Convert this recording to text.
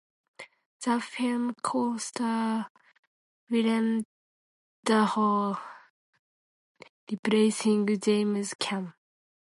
The film co-stars Willem Dafoe, replacing James Caan.